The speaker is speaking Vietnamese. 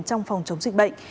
trong phòng chống dịch bệnh